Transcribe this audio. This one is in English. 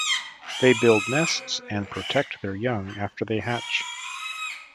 They build nests and protect their young after they hatch.